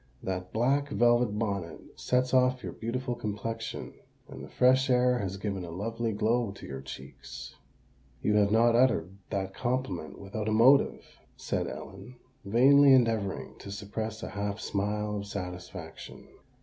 That black velvet bonnet sets off your beautiful complexion; and the fresh air has given a lovely glow to your cheeks." "You have not uttered that compliment without a motive," said Ellen, vainly endeavouring to suppress a half smile of satisfaction.